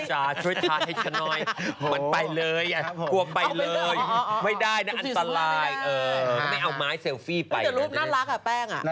ไม่เอาไม้เซลฟี่ไปอ่ะแน่นี่แต่รูปน่ารักอ่ะแป้งอ่ะ